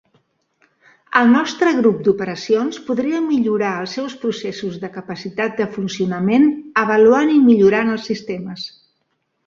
El nostre grup d"operacions podria millorar els seus processos de capacitat de funcionament avaluant i millorants els sistemes.